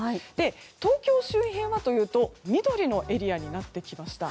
東京周辺はというと緑のエリアになってきました。